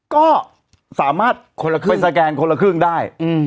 ก็สามารถไปสแกนคนละครึ่งได้